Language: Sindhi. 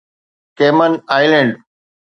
ڪيمن آئيلينڊ